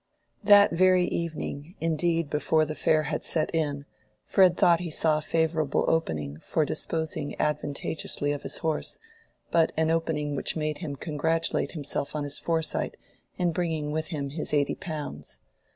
That very evening, indeed, before the fair had set in, Fred thought he saw a favorable opening for disposing advantageously of his horse, but an opening which made him congratulate himself on his foresight in bringing with him his eighty pounds.